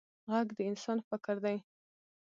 غږ د انسان فکر دی